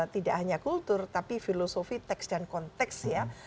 tidak hanya kultur tapi filosofi teks dan konteks ya